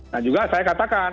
nah juga saya katakan